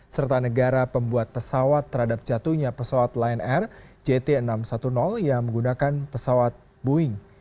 serta negara pembuat pesawat terhadap jatuhnya pesawat lion air jt enam ratus sepuluh yang menggunakan pesawat boeing